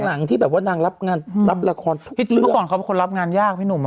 หลังที่แบบว่านางรับงานรับละครทุกคิดเมื่อก่อนเขาเป็นคนรับงานยากพี่หนุ่มอ่ะ